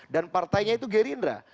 dan partainya itu gerindra